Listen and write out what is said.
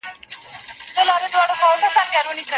دولت د خلګو د عزت ساتونکی دی.